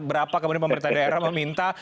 berapa kemudian pemerintah daerah meminta